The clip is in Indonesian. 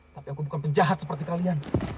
tapi aku bukan penjahat seperti kalian